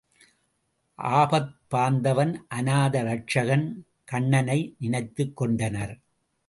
ஆபத்பாந்தவன் அனாத– ரட்சகன் கண்ணனை நினைத்துக் கொண்டனர்.